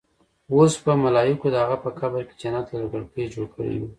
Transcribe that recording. اوس به ملايکو د هغه په قبر کې جنت له کړکۍ جوړ کړې وي.